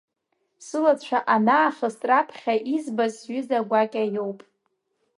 Сылацәа анаахыст раԥхьа избаз сҩыза гәакьа иоуп!